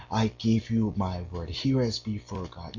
I give you my word,... here as before God